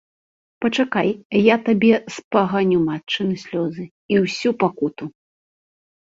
Пачакай, я табе спаганю матчыны слёзы і ўсю пакуту!